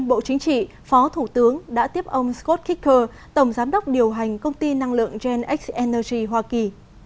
bộ chính trị phó thủ tướng đã tiếp ông scott kicker tổng giám đốc điều hành công ty năng lượng genx energy hoa kỳ